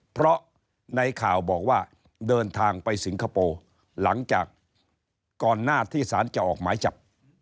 เพราะในข่าวบอกว่าเดินทางไปสิงคโปร์หลังจากก่อนหน้าที่สารจะออกหมายจับ